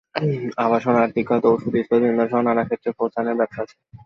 আবাসন, আর্থিক খাত, ওষুধ, ইস্পাত, বিনোদনসহ নানা ক্ষেত্রে ফোসানের ব্যবসা আছে।